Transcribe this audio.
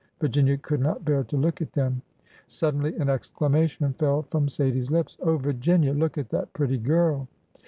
Virginia could not bear to look at them. Suddenly an exclamation fell from Sadie's lips. '' Oh, Virginia ! look at that pretty girl